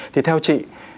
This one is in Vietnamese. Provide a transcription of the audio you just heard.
thì theo chị